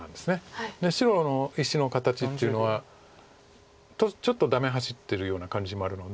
白の石の形っていうのはちょっとダメ走ってるような感じもあるので。